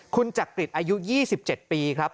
คุณจักริตอายุ๒๗ปีครับ